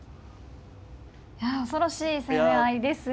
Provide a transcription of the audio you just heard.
いや恐ろしい攻め合いですね。